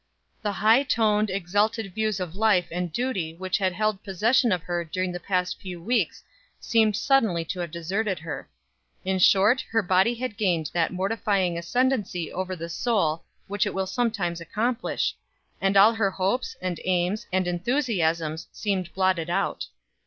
The high toned, exalted views of life and duty which had held possession of her during the past few weeks seemed suddenly to have deserted her. In short, her body had gained that mortifying ascendency over the soul which it will sometimes accomplish, and all her hopes, and aims, and enthusiasms seemed blotted out.